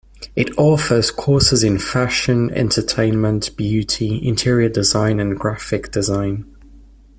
It offers courses in fashion, entertainment, beauty, interior design, and graphic design.